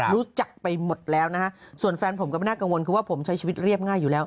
รู้จักไปหมดแล้วนะฮะส่วนแฟนผมก็ไม่น่ากังวลคือว่าผมใช้ชีวิตเรียบง่ายอยู่แล้ว